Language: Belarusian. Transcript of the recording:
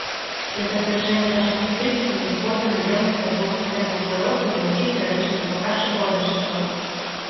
Для пацвярджэння пачатку крызісу неабходна наяўнасць адмоўных тэмпаў прыросту для ўсіх пералічаных паказчыкаў адначасова.